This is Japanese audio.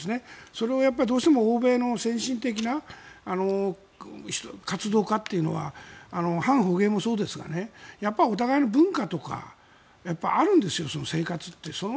それをどうしても欧米の先進的な活動家というのは反捕鯨もそうですがお互いの文化とかあるんですよ。